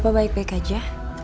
bapak baik baik aja